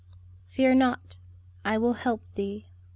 "Fear not; I will help thee."